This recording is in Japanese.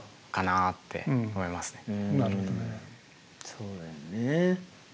そうだよね。